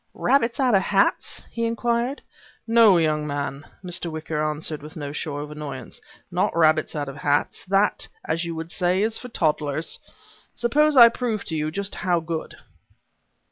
"Rabbits out of hats?" he inquired. "No, young man," Mr. Wicker answered with no show of annoyance, "Not rabbits out of hats. That as you would say is for toddlers. Suppose I prove to you just how good?"